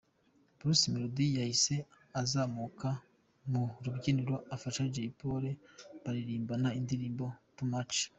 Bruce Melody yahise azamuka ku rubyiniro afasha Jay Polly baririmbana indirimbo ‘Too Much’.